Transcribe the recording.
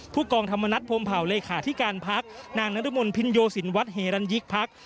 ผู้กองธรรมนัฐพรมเผาเลขาธิการพักนางนรมนภินโยสินวัดเฮรันยิกพัก